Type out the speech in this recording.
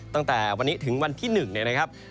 ตั้งแต่วันนี้ถึงวันที่๑เนี่ยนะครับ